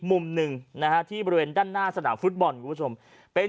มุมหนึ่งนะฮะที่บริเวณด้านหน้าสนามฟุตบอลคุณผู้ชมเป็น